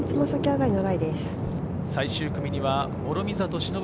最終組には諸見里しのぶ